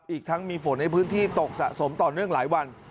อีกทั้งมีฝนในพื้นที่ตกสะสมต่อเนื่องหลายวัน